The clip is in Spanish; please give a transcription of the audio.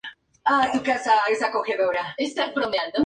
Su objetivo principal eran los casos de calumnias y traición.